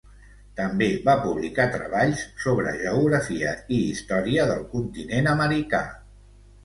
També va publicar treballs sobre Geografia i Història del continent americà.